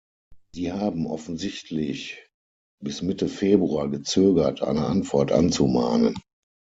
Sie haben offensichtlich bis Mitte Februar gezögert, eine Antwort anzumahnen.